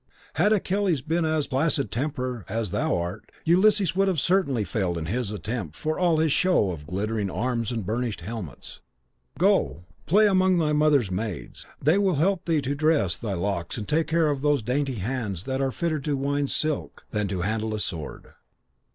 Had Achilles been of as placid temper as thou art, Ulysses would certainly have failed in his attempt, for all his show of glittering arms and burnished helmets. Go, play among thy mother's maids; they will help thee to dress thy locks and take care of those dainty hands that are fitter to wind silk than to handle a sword.'